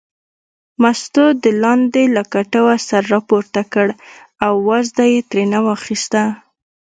مستو د لاندې له کټوې سر راپورته کړ او وازده یې ترېنه واخیسته.